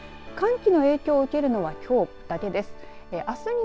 寒気の影響を受けるのはきょうだけです。